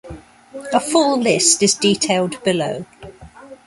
A full list is detailed below.